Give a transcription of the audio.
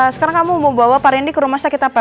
sekarang kamu mau bawa pak rendy ke rumah sakit apa